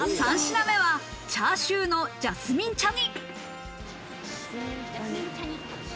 ３品目はチャーシューのジャスミン茶に。